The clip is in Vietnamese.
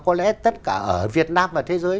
có lẽ tất cả ở việt nam và thế giới